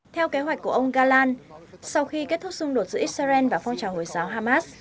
theo kế hoạch của ông galan sau khi kết thúc xung đột giữa israel và phong trào hồi giáo hamas